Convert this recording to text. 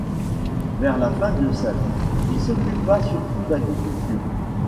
Vers la fin de sa vie il s'occupa surtout d'agriculture.